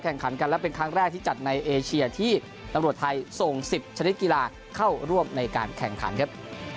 แข่งขันกันและเป็นครั้งแรกที่จัดในเอเชียที่ตำรวจไทยส่ง๑๐ชนิดกีฬาเข้าร่วมในการแข่งขันครับ